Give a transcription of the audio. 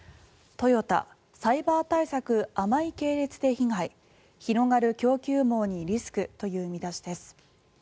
トヨタ、サイバー対策甘い系列で被害広がる供給網にリスクという見出しです。